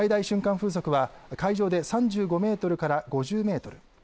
風速は海上で３５メートルから５０メートル